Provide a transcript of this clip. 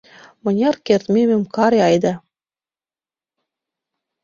— Мыняр кертметым каре айда.